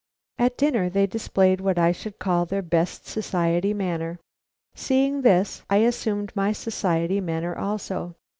At dinner they displayed what I should call their best society manner. Seeing this, I assumed my society manner also.